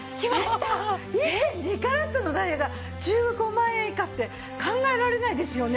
１．２カラットのダイヤが１５万円以下って考えられないですよね。